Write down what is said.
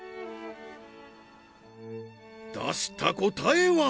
出した答えは？